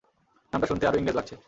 নামটা শুনতে আরও ইংরেজ লাগছে।